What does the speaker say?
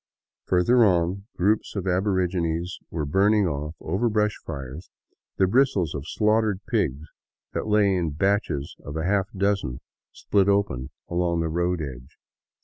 Further on, groups of aborigines were burning off, over brush fires, the bristles of slaughtered pigs that lay in batches of a half dozen, spHt open, at the road edge.